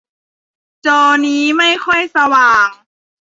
จอนี้ไม่ค่อยสว่าง